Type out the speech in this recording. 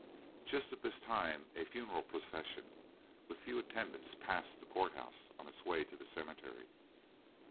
Just at this time a funeral procession, with a few attendants, passed the court house on its way to the cemetery.